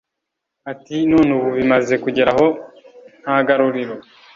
Ati “None ubu bimaze kugera aho nta garuriro